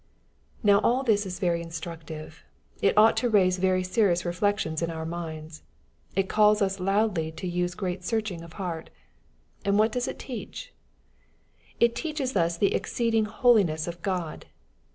Now all this is very instructive. It ought to raise very serious reflections in our minds. It calls us loudly to use great searching of heart. And what does it teach ? It teaches us the exceeding holiness of God.